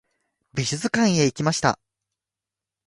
美術館へ行きました。